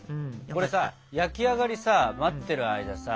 これさ焼き上がりさ待ってる間さ